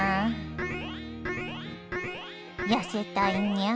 痩せたいにゃあ。